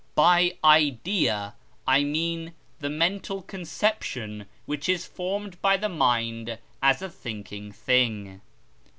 By idea, I mean the mental conception which is formed by the mind as a thinking thing.